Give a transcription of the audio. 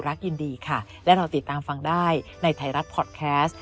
ยินดีค่ะและเราติดตามฟังได้ในไทยรัฐพอดแคสต์